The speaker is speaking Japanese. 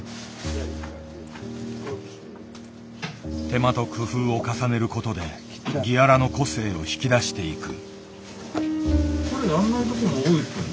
手間と工夫を重ねることでギアラの個性を引き出していく。